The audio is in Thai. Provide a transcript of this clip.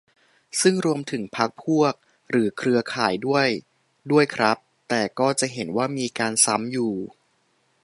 ซึ่งรวมถึง "พรรคพวก" หรือเครือข่ายด้วย ด้วยครับ แต่ก็จะเห็นว่ามีการ "ซ้ำ" อยู่